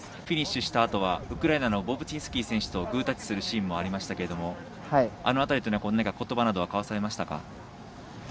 フィニッシュしたあとはウクライナのボブチンスキー選手とグータッチするシーンもありましたがあの辺りは言葉などは交わしましたか？